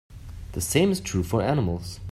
The same is true for animals.